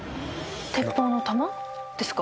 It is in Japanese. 鉄砲の玉ですか？